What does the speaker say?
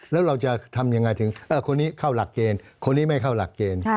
แล้วเราจะทำยังไงถึงคนนี้เข้าหลักเกณฑ์คนนี้ไม่เข้าหลักเกณฑ์